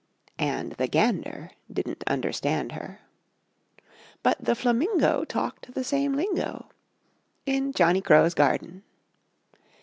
_" And the Gander Didn't understand her; But the Flamingo Talked the same lingo In Johnny Crow's Garden.